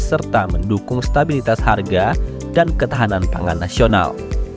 serta mendukung stabilitas harga dan ketahanan pangan nasional